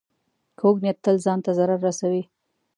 کوږ نیت تل ځان ته ضرر رسوي